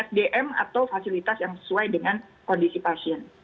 sdm atau fasilitas yang sesuai dengan kondisi pasien